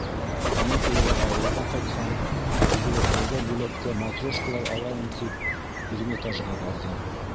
- Каникулға ауылға ҡайтһам, игеҙәктәргә бүләккә матрешкалар алайым тип, Эрмитажға барҙым.